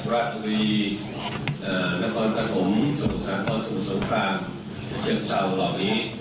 รัฐวีร์นครกฐมโรงสรรคมศูนย์สงครามเชิงเศร้ารอบนี้